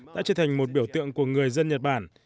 đã trở thành một biểu tượng của người dân nhật bản